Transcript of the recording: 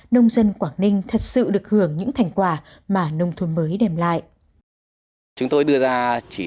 nông dân quảng ninh thật sự được hưởng những thành quả mà nông thôn mới đem lại